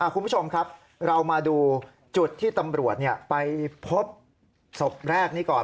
คุณผู้ชมครับเรามาดูจุดที่ตำรวจไปพบศพแรกนี้ก่อน